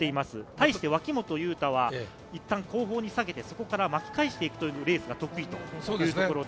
対して脇本雄太は、いったん後方に下げて、そこから巻き返していくというレースが得意というところで。